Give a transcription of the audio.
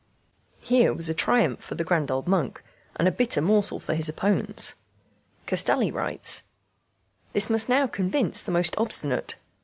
Here was a triumph for the grand old monk, and a bitter morsel for his opponents. Castelli writes: "This must now convince the most obstinate."